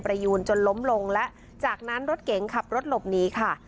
ยูนจนล้มลงและจากนั้นรถเก๋งขับรถหลบหนีค่ะ